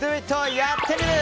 「やってみる。」。